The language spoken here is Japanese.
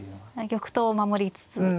玉頭を守りつつ。